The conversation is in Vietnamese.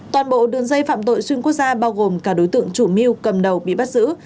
toàn bộ đường dây phạm tội xuyên quốc gia bao gồm cả đối tượng chủ mưu cầm đầu bị bắt giữ